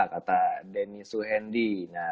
kata denny suhendi